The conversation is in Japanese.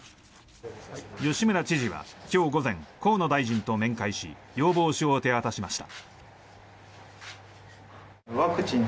吉村知事は今日午前河野大臣と面会し要望書を手渡しました。